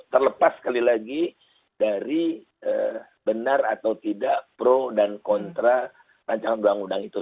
terlepas sekali lagi dari benar atau tidak pro dan kontra rancangan undang undang itu